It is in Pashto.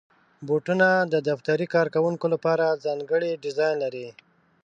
بوټونه د دفتر کارکوونکو لپاره ځانګړي ډیزاین لري.